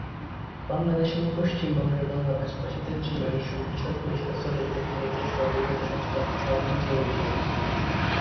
বাংলাদেশ ও পশ্চিমবঙ্গের বাংলা ভাষাভাষীদের জন্য এই সম্প্রচার পরিসেবা চালু করে ভারতের সরকারি বেতার সংস্থা ‘অল ইন্ডিয়া রেডিও’।